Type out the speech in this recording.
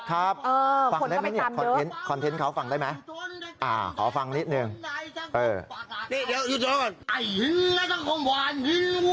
ครับคอนเต็มเขาฟังได้ไหม